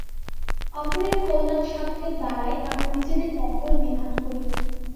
অপরের কল্যাণ-সাধনের দ্বারাই আমরা নিজেদের মঙ্গল বিধান করি।